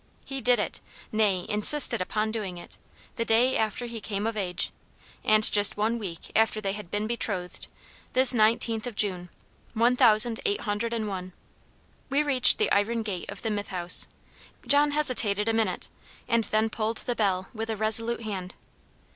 He did it nay, insisted upon doing it the day after he came of age, and just one week after they had been betrothed this nineteenth of June, one thousand eight hundred and one. We reached the iron gate of the Mythe House; John hesitated a minute, and then pulled the bell with a resolute hand.